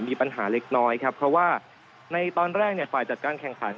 มีปัญหาเล็กน้อยครับเพราะว่าในตอนแรกเนี่ยฝ่ายจัดการแข่งขัน